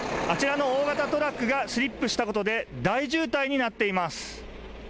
あちらの大型トラックがスリップしたことで大渋滞になっています。